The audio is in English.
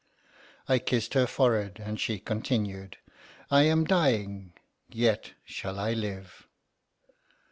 I kissed her forehead, and she continued: "I am dying, yet shall I live."